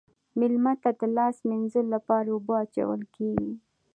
میلمه ته د لاس مینځلو لپاره اوبه اچول کیږي.